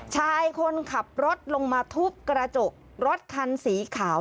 ชายคนขับรถลงมาทุบกระจกรถคันสีขาว